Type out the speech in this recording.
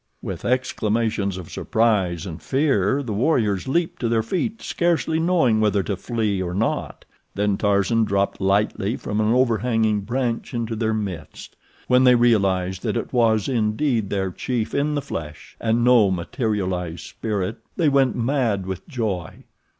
With exclamations of surprise and fear the warriors leaped to their feet, scarcely knowing whether to flee or not. Then Tarzan dropped lightly from an overhanging branch into their midst. When they realized that it was indeed their chief in the flesh, and no materialized spirit, they went mad with joy.